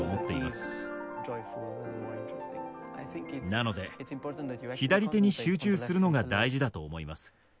なので左手に集中するのが大事だと思います。